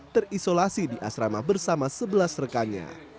terisolasi di asrama bersama sebelas rekannya